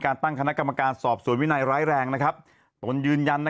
การตั้งคณะกรรมการสอบสวนวินัยร้ายแรงนะครับต้นยืนยันนะ